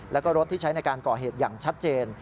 แล้วก็รถที่ใช้ในการก่อเหตุอย่างชัดเจน